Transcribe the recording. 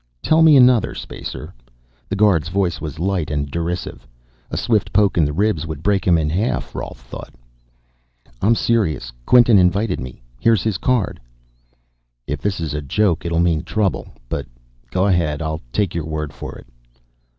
"Tell me another, Spacer." The guard's voice was light and derisive. A swift poke in the ribs would break him in half, Rolf thought. "I'm serious. Quinton invited me. Here's his card." "If this is a joke it'll mean trouble. But go ahead; I'll take your word for it."